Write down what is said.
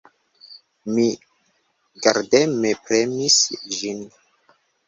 Mi gardeme premis ĝin.